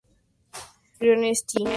Se crio en St.